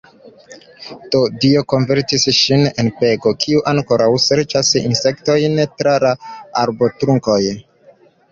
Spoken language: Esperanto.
Do, Dio konvertis ŝin en pego, kiu ankoraŭ serĉas insektojn tra la arbotrunkoj.